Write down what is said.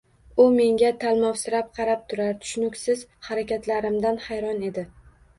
U menga talmovsirab qarab turar, tushuniksiz harakatlarimdan hayron edi.